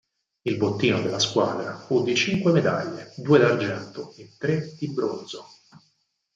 Il bottino della squadra fu di cinque medaglie: due d'argento e tre di bronzo.